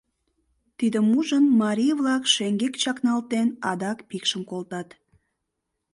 Тидым ужын, марий-влак, шеҥгек чакналтен, адак пикшым колтат.